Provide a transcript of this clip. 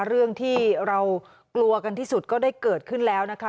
เรื่องที่เรากลัวกันที่สุดก็ได้เกิดขึ้นแล้วนะคะ